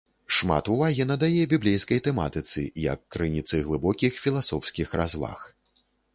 Шмат увагі надае біблейскай тэматыцы, як крыніцы глыбокіх філасофскіх разваг.